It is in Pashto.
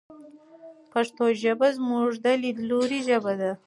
پښتو ژبه زموږ د لیدلوري ژبه ده.